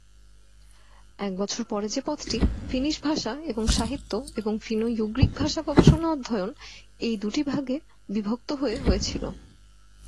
এক বছর পরে যে পদটি ফিনিশ ভাষা এবং সাহিত্য এবং ফিনো-ইউগ্রিক ভাষা গবেষণা অধ্যয়ন এই দুটি ভাগে বিভক্ত হয়ে হয়েছিল।